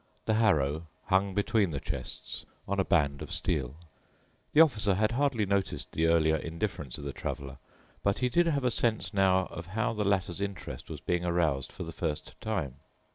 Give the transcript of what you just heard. The harrow hung between the chests on a band of steel. The Officer had hardly noticed the earlier indifference of the Traveler, but he did have a sense now of how the latter's interest was being aroused for the first time.